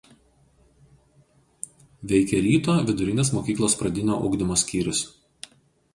Veikia „Ryto“ vidurinės mokyklos pradinio ugdymo skyrius.